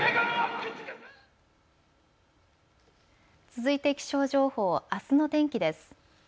続いて気象情報、あすの天気です。